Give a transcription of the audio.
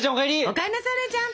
お帰んなさいお姉ちゃん！